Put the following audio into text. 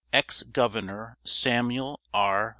Ex Governor Samuel R.